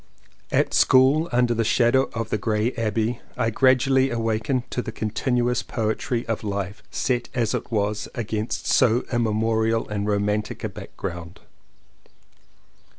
At school under the shadow of the grey abbey I gradually awakened to the contin uous poetry of life set as it was against so immemorial and romantic a background.